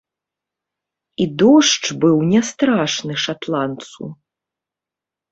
І дождж быў не страшны шатландцу.